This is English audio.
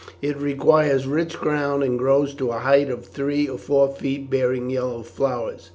It requires rich ground and grows to a height of three or four feet, bearing yellow flowers.